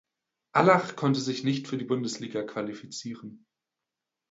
Allach konnte sich nicht für die Bundesliga qualifizieren.